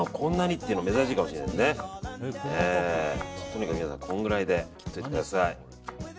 とにかく、このぐらいで切っておいてください。